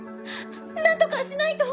なんとかしないと！